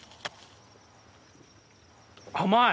甘い！